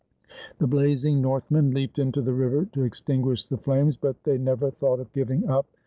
The blazing Northmen leaped into the river to extinguish the flames, but they never thought of giving up.